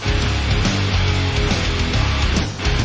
แล้วมึงตะดาวมึงก็เว้ย